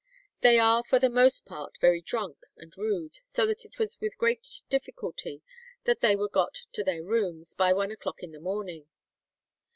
"They are for the most part very drunk and rude, so that it was with great difficulty that they were got to their rooms by one o'clock in the morning."